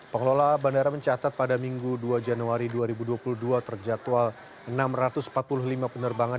pengelola bandara mencatat pada minggu dua januari dua ribu dua puluh dua terjadwal enam ratus empat puluh lima penerbangan